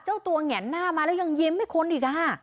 เจ้าตัวแหงนหน้ามาแล้วยังยิ้มไม่ค้นอีกค่ะ